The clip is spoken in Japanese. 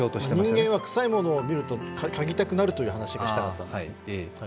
人間はくさいものを見ると嗅ぎたくなるという話をしたかった。